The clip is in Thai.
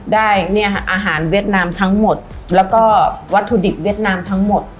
ได้เนี่ยค่ะอาหารเวียดนามทั้งหมดแล้วก็วัตถุดิบเวียดนามทั้งหมด